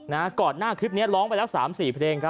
พอก่อนหน้าคลิปนี้ร้องไปแล้ว๓๔เพลง